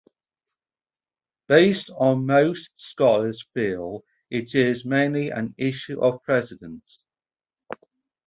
Based on most scholars feel it is mainly an issue of precedence.